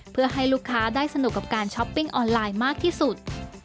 เพื่อให้ลูกค้าได้สนุกกับการช้อปปิ้งออนไลน์มากที่สุด